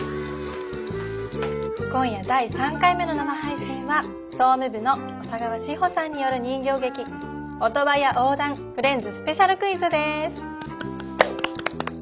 今夜第３回目の生配信は総務部の小佐川志穂さんによる人形劇オトワヤ横断フレンズスペシャルクイズです。